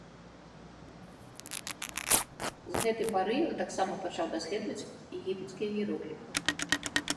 З гэта пары ён таксама пачаў даследаваць егіпецкія іерогліфы.